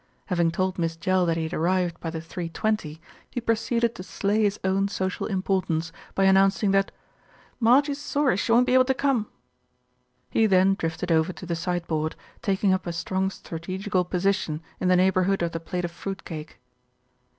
Having told Miss Jell that he had arrived by the three twenty, he proceeded to slay his own social im portance by announcing that "Marjie's sorry she won't be able to come." He then drifted over to the side board, taking up a strong strategical position in the neighbourhood of the plate of fruit cake.